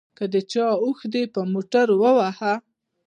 که د چا اوښ دې په موټر ووهه.